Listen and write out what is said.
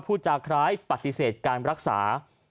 พูดจากคล้ายปฏิเสธการรักษา